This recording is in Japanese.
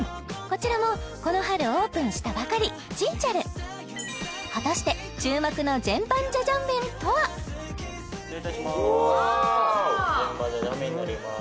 こちらもこの春オープンしたばかりチンチャル果たして注目の失礼いたしますジェンバンジャジャン麺になります